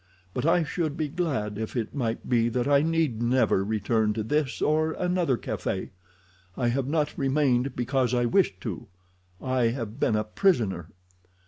"But I should be glad if it might be that I need never return to this or another café. I have not remained because I wished to; I have been a prisoner."